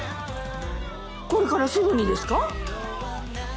これからすぐにですか？